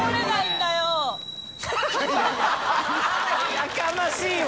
やかましいわ！